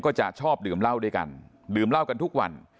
ก็จะชอบดื่มเหล้าด้วยกันดื่มเหล้ากันทุกวัน